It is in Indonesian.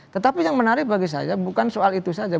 tetapi yang menarik bagi saya bukan soal itu saja